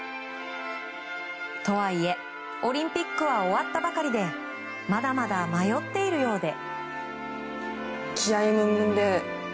とはいえ、オリンピックは終わったばかりでまだまだ迷っているようで。